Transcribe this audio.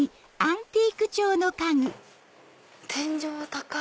天井高い！